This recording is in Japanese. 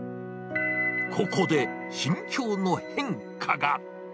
ここで心境の変化が。